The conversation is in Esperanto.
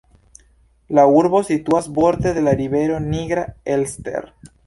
La urbo situas borde de la rivero Nigra Elster.